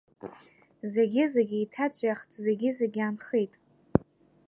Зегьы-зегь еиҭаҿиахт, зегьы-зегь аанхеит…